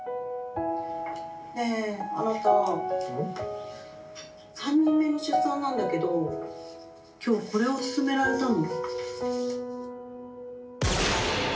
「ねえあなた３人目の出産なんだけど今日これを勧められたの」。